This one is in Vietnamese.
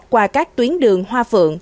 qua các tuyến đường hoa phượng